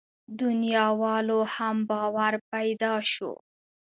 دنياوالو هم باور پيدا شو.